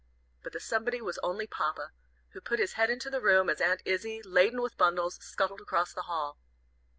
But the somebody was only Papa, who put his head into the room as Aunt Izzie, laden with bundles, scuttled across the hall.